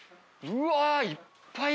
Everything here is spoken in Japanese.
うわいっぱい！